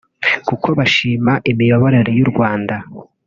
kuko bashima imiyoborere y’u Rwanda